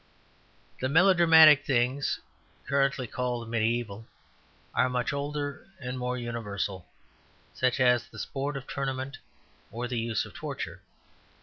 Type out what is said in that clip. The melodramatic things currently called mediæval are much older and more universal; such as the sport of tournament or the use of torture.